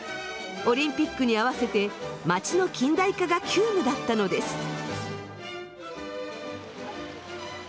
オリンピックに合わせて街の近代化が急務だったのです。